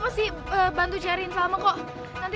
berubah baik bang tak robotnya